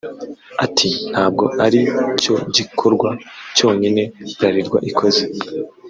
Ati “Ntabwo ari cyo gikorwa cyonyine Bralirwa ikoze